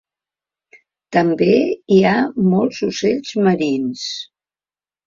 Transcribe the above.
També hi ha molts ocells marins.